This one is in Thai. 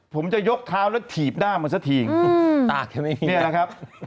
ผมจะยกเท้าแล้วถีบหน้ามันสักทีตาดกันเองเนี่ยนะครับ